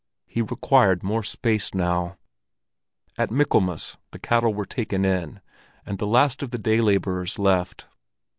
He required more space now. At Michaelmas, the cattle were taken in, and the last of the day laborers left.